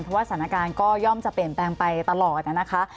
เพราะว่าสถานการณ์ก็ย่อมจะเปลี่ยนแปลงไปตลอดนะคะ